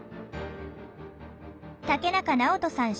竹中直人さん